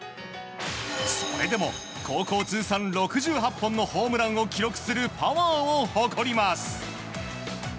それでも、高校通算６８本のホームランを記録するパワーを誇ります。